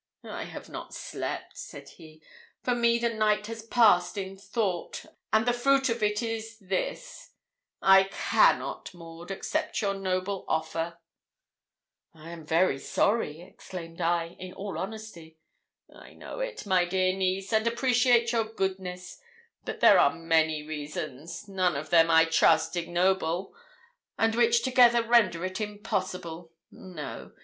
'I have not slept,' said he. 'For me the night has passed in thought, and the fruit of it is this I cannot, Maud, accept your noble offer.' 'I am very sorry,' exclaimed I, in all honesty. 'I know it, my dear niece, and appreciate your goodness; but there are many reasons none of them, I trust, ignoble and which together render it impossible. No.